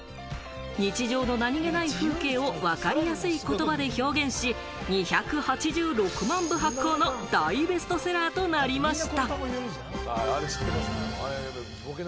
日常の何気ない風景をわかりやすい言葉で表現し、２８６万部発行の大ベストセラーとなりました。